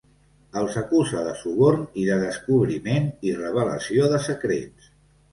Els acusa de suborn i de descobriment i revelació de secrets.